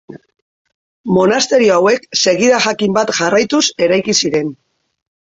Monasterio hauek segida jakin bat jarraituz eraiki ziren.